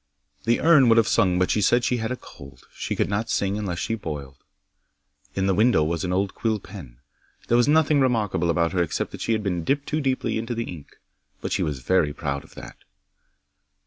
'The urn would have sung but she said she had a cold; she could not sing unless she boiled. 'In the window was an old quill pen. There was nothing remarkable about her except that she had been dipped too deeply into the ink. But she was very proud of that.